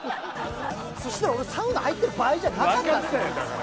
そしたら俺サウナ入ってる場合じゃなかったんすよ。